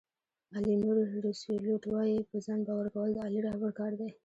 الینور روسیولوټ وایي په ځان باور کول د عالي رهبر کار دی.